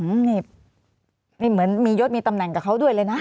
อืมนี่นี่เหมือนมียศมีตำแหน่งกับเขาด้วยเลยนะ